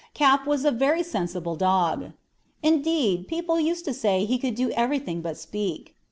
Cap was a very sensible dog; indeed, people used to say he could do everything but speak.